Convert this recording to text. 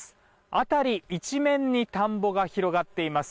辺り一面に田んぼが広がっています。